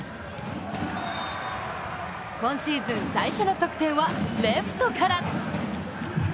今シーズン最初の得点はレフトから。